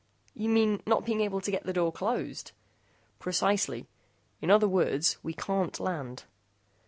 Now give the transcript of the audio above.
"You mean not being able to get the door closed?" "Precisely. In other words, we can't land."